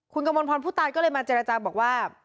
คุณกมลพรผู้ตายก็เลยมาเจรจาบอกว่า